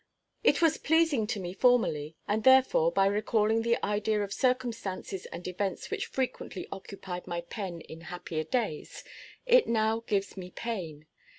It was pleasing to me formerly, and therefore, by recalling the idea of circumstances and events which frequently occupied my pen in happier days, it now gives me pain.